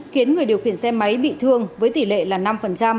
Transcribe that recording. khiến người điều khiển xe máy bị thương với tỷ lệ là năm